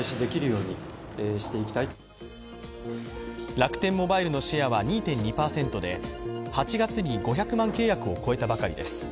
楽天モバイルのシェアは２．２％で８月に５００万契約を超えたばかりです。